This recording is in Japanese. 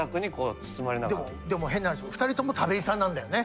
でも変な話２人とも田部井さんなんだよね。